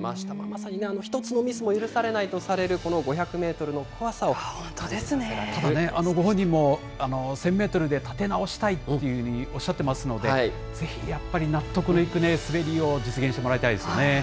まさに一つのミスも許されないとされる、この５００メートルの怖ご本人も、１０００メートルで立て直したいというふうにおっしゃってますので、ぜひやっぱり納得のいく滑りを実現してもらいたいですね。